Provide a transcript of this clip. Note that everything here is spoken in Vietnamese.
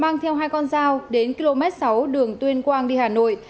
mang theo hai con dao đến km sáu đường tuyên quang đi hà nội